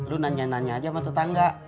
lu nanya nanya aja sama tetangga